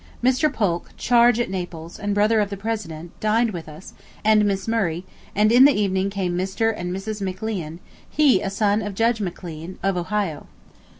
Mr. Polk, Chargé at Naples, and brother of the President, dined with us, and Miss Murray, and in the evening came Mr. and Mrs. McLean, he a son of Judge McLean, of Ohio.